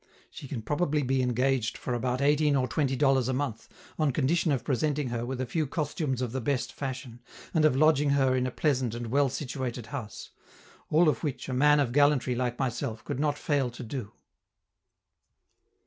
She can probably be engaged for about eighteen or twenty dollars a month, on condition of presenting her with a few costumes of the best fashion, and of lodging her in a pleasant and well situated house all of which a man of gallantry like myself could not fail to do.